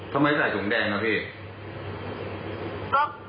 ทำไมใส่ถุงแดงอะพี่